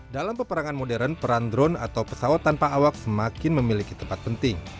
dalam peperangan modern peran drone atau pesawat tanpa awak semakin memiliki tempat penting